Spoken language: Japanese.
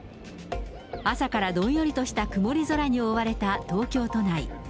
朝からどんよりとした曇り空に覆われた東京都内。